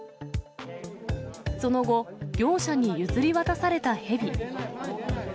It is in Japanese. その後、業者に譲り渡されたヘビ。